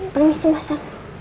permisi mas ya